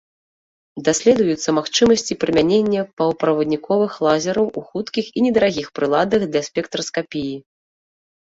Даследуюцца магчымасці прымянення паўправадніковых лазераў ў хуткіх і недарагіх прыладах для спектраскапіі.